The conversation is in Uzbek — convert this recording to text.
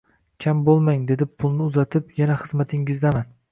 Kam bo‘lmang, dedi pulni uzatib, yana xizmatingizdaman